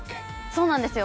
そうなんですよ。